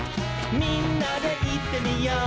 「みんなでいってみよう」